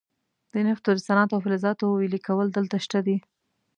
د نفتو د صنعت او فلزاتو ویلې کول دلته شته دي.